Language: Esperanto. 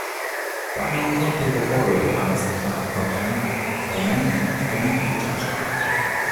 Tamen multaj popoloj havas ja proprajn belajn epikajn riĉaĵojn.